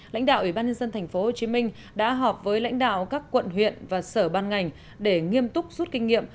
lãnh đạo ủy ban nhân dân tp hcm đã họp với lãnh đạo các quận huyện và sở ban ngành để nghiêm túc rút kinh nghiệm